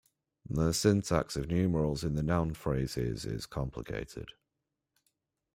The syntax of numerals in the noun phrases is complicated.